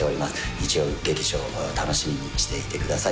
日曜劇場楽しみにしていてください